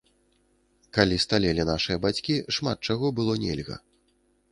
Калі сталелі нашыя бацькі, шмат чаго было нельга.